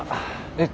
え？